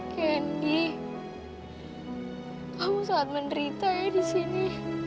candy kamu saat menderita ya di sini